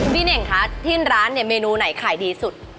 เน่งคะที่ร้านเนี่ยเมนูไหนขายดีสุด